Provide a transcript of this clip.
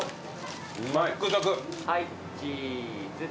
はいチーズ。